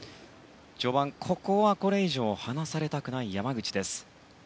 序盤、ここはこれ以上離されたくない山口です。